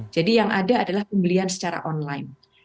jadi yang ada adalah pembelian secara online